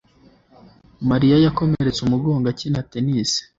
Mary yakomeretse umugongo akina tennis